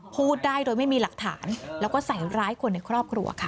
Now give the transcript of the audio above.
พูดได้โดยไม่มีหลักฐานแล้วก็ใส่ร้ายคนในครอบครัวค่ะ